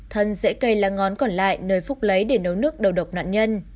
thân dễ cây lá ngón còn lại nơi phúc lấy để nấu nước đầu độc nạn nhân